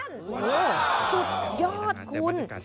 สุดยอดคุณ